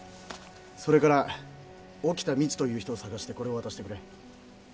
それから沖田みつという人を捜してこれを渡してくれ。